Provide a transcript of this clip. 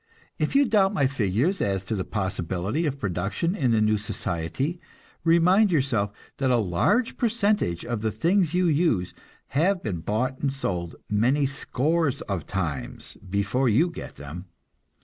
If you doubt my figures as to the possibility of production in the new society, remind yourself that a large percentage of the things you use have been bought and sold many scores of times before you get them.